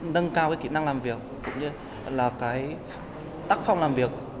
nâng cao cái kỹ năng làm việc cũng như là cái tắc phong làm việc